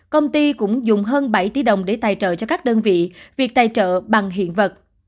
công ty cũng dùng hơn bảy tỷ đồng để tài trợ cho các đơn vị việc tài trợ bằng hiện vật